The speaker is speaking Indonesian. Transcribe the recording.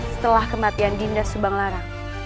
setelah kematian dinda subanglari